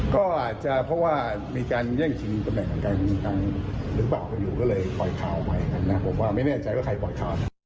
ก็อาจจะเพราะว่ามีการแย่งชินกำหนดการพลัง